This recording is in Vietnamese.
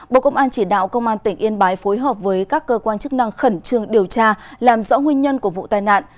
bộ công an chỉ đạo công an tỉnh yên bái phối hợp với các cơ quan chức năng khẩn trương điều tra làm rõ nguyên nhân của vụ tai nạn